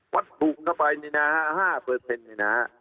วัสดุเข้าไป๕นี่นะ